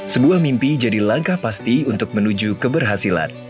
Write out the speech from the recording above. sebuah mimpi jadi langkah pasti untuk menuju keberhasilan